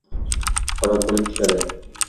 Qorong‘ilik tushadi…